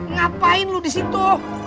ngapain lu di situ